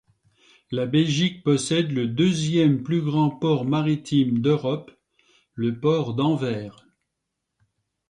La Belgique possède le deuxième plus grand port maritime d'Europe, le port d'Anvers.